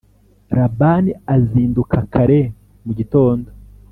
Labani azinduka kare mu gitondo